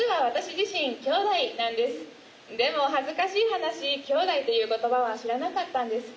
でも恥ずかしい話「きょうだい」という言葉は知らなかったんです。